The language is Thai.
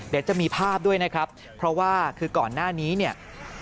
เดี๋ยวจะมีภาพด้วยนะครับเพราะว่าคือก่อนหน้านี้เนี่ย